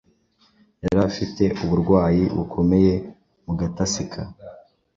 Yari afite uburwayi bukomeye mu gatasi ka .